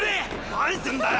何すんだよ！